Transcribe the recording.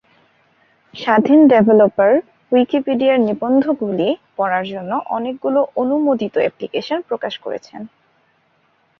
স্বাধীন ডেভেলপার উইকিপিডিয়ার নিবন্ধগুলি পড়ার জন্য অনেকগুলি অননুমোদিত অ্যাপ্লিকেশন প্রকাশ করেছেন।